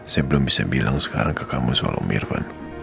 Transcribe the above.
saya belum bisa bilang sekarang ke kamu soal om irfan